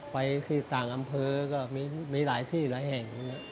ไปที่ต่างอำเภอก็มีหลายที่หลายแห่ง